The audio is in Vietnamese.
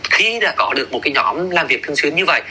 khi đã có được một cái nhóm làm việc thường xuyên như vậy